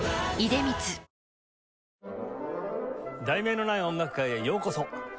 『題名のない音楽会』へようこそ。